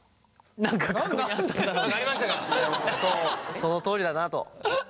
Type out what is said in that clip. そのとおりだなと。